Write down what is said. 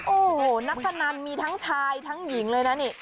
โอ้โหนักพนันมีทั้งชายทั้งหญิงเลยนะนี่